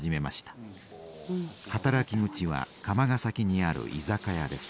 働き口は釜ヶ崎にある居酒屋です。